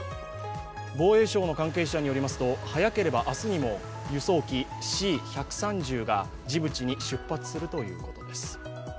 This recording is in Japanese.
防衛省の関係者によりますと早ければ明日にも輸送機Ｃ１３０がジブチに出発するということです。